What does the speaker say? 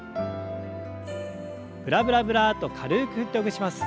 ブラブラブラッと軽く振ってほぐします。